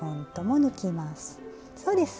そうです！